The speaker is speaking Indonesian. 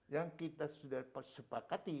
yang kita sudah sepakati